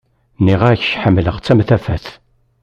Niɣ-ak ḥemlaɣ-tt am tafat.